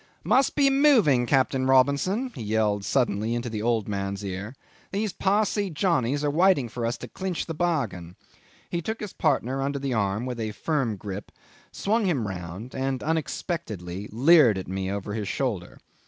... "Must be moving, Captain Robinson," he yelled suddenly into the old man's ear. "These Parsee Johnnies are waiting for us to clinch the bargain." He took his partner under the arm with a firm grip, swung him round, and, unexpectedly, leered at me over his shoulder.